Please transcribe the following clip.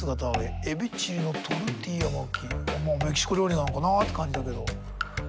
メキシコ料理なのかなって感じだけど。